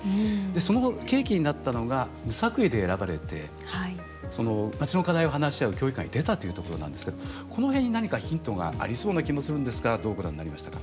その契機になったのが無作為で選ばれてまちの課題を話し合う協議会に出たというところなんですけどこの辺に何かヒントがありそうな気もするんですがどうご覧になりましたか？